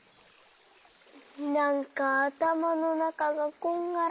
なんかあたまのなかがこんがらがって。